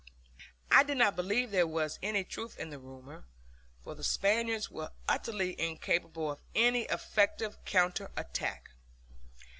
I did not believe there was any truth in the rumor, for the Spaniards were utterly incapable of any effective counter attack.